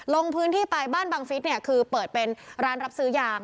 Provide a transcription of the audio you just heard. ลงพื้นที่ไปบ้านบังฟิศเนี่ยคือเปิดเป็นร้านรับซื้อยาง